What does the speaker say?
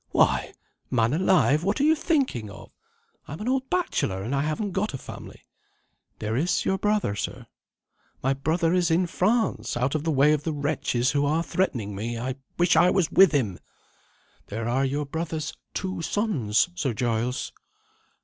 "Why, man alive, what are you thinking of? I'm an old bachelor, and I haven't got a family." "There is your brother, sir." "My brother is in France out of the way of the wretches who are threatening me. I wish I was with him!" "There are your brother's two sons, Sir Giles."